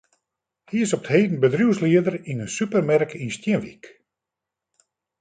Hy is op 't heden bedriuwslieder yn in supermerk yn Stienwyk.